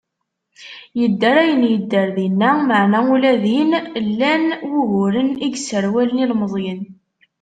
Yedder ayen yedder dinna, meɛna ula din, llan wuguren i yesserwalen ilmezyen.